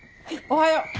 おはよう。